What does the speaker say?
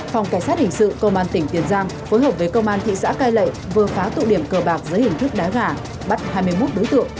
phòng cảnh sát hình sự công an tỉnh tiền giang phối hợp với công an thị xã cai lệ vừa phá tụ điểm cờ bạc dưới hình thức đá gà bắt hai mươi một đối tượng